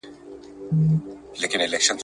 په کورنۍ کي ماشوم ته بد دعا نه ورکول کېږي.